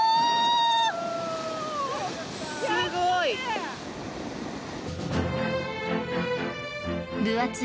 すごい！